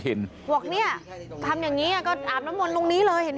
หัวของนี่ทำอย่างนี้ก็อ่ามน้ำมนต์ลงนี้เลยเห็น